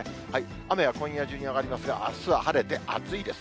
雨は今夜中に上がりますが、あすは晴れて、暑いです。